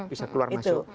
bisa keluar masuk